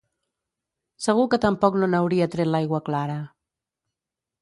Segur que tampoc no n'hauria tret l'aigua clara.